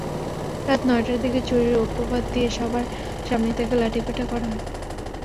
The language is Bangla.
রাত নয়টার দিকে চুরির অপবাদ দিয়ে সবার সামনেই তাঁকে লাঠিপেটা করা হয়।